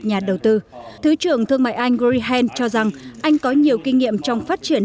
nhà đầu tư thứ trưởng thương mại anh greehen cho rằng anh có nhiều kinh nghiệm trong phát triển